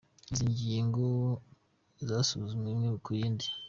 Izi ngingo zasuzumwe imwe ku yindi :